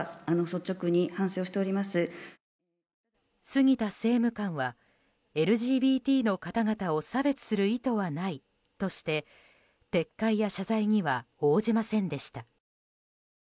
杉田政務官はＬＧＢＴの方々を差別する意図はないとして撤回や謝罪には応じませんでした。